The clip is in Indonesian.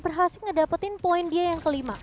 berhasil ngedapetin poin dia yang kelima